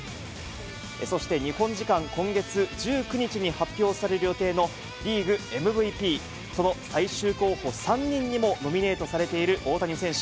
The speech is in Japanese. そして日本時間今月１９日に発表される予定のリーグＭＶＰ、その最終候補３人にもノミネートされている大谷選手。